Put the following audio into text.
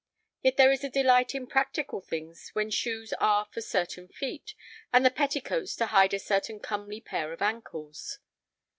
Yet there is a delight in practical things when shoes are for certain feet, and the petticoats to hide a certain comely pair of ankles.